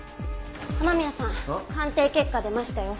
雨宮さん鑑定結果出ましたよ。